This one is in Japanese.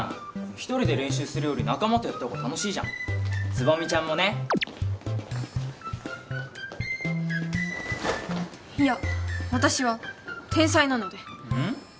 一人で練習するより仲間とやった方が楽しいじゃん蕾未ちゃんもねいや私は天才なのでうん？